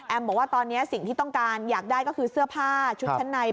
บอกว่าตอนนี้สิ่งที่ต้องการอยากได้ก็คือเสื้อผ้าชุดชั้นใน